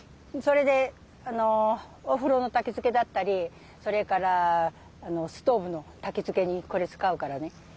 それでお風呂のたきつけだったりそれからストーブのたきつけにこれ使うからね。